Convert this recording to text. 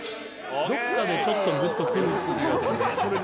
どっかでちょっとグッと来る気がする。